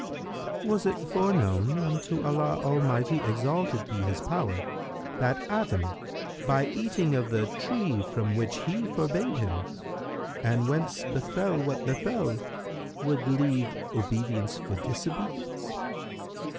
Q "Was it foreknown unto Allah Almighty (exalted be His power!) that Adam, by eating of the tree from which He forbade him and whence befel what befel, would leave obedience for disobedience?"